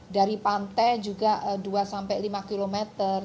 dari pantai juga dua sampai lima kilometer